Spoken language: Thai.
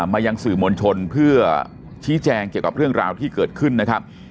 มายังสื่อมวลชนเพื่อชี้แจงเกี่ยวกับเรื่องราวที่เกิดขึ้นนะครับ